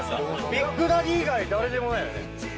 ビッグダディ以外誰でもねぇ。